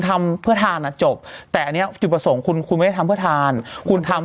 ทำเพื่อทานจบแต่เนี่ยจุดประสงค์คุณคุณไม่ทำเพื่อทางคุณทำ